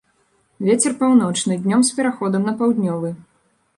Вецер паўночны, днём з пераходам на паўднёвы.